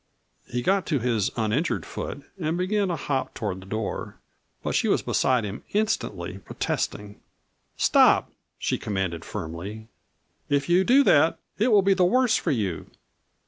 He got to his uninjured foot and began to hop toward the door, but she was beside him instantly protesting. "Stop!" she commanded firmly. "If you do that it will be the worse for you.